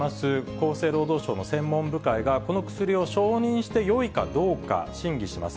厚生労働省の専門部会が、この薬を承認してよいかどうか審議します。